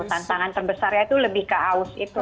tantangan terbesarnya itu lebih ke aus itu